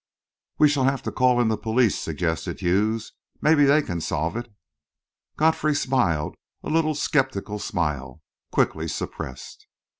"We shall have to call in the police," suggested Hughes. "Maybe they can solve it." Godfrey smiled, a little sceptical smile, quickly suppressed.